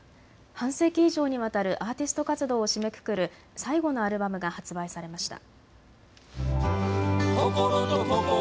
半世紀以上にわたるアーティスト活動を締めくくる最後のアルバムが発売されました。